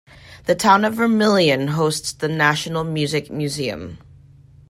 The town of Vermillion hosts the National Music Museum.